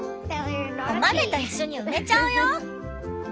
お豆といっしょに埋めちゃうよ！